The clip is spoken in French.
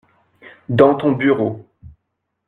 Dans ton bureau.